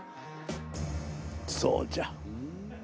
そうじゃ。